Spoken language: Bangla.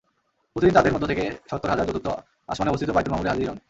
প্রতিদিন তাদের মধ্য থেকে সত্তর হাজার চতুর্থ আসমানে অবস্থিত বায়তুল মামূরে হাজির হন।